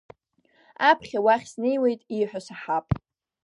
Аԥхьа уахь снеиуеит, ииҳәо саҳап.